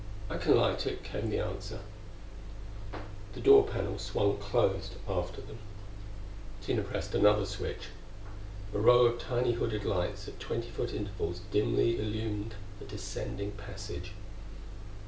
"I can light it," came the answer. The door panel swung closed after them. Tina pressed another switch. A row of tiny hooded lights at twenty foot intervals dimly illumined the descending passage.